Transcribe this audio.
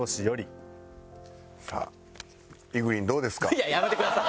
いややめてください。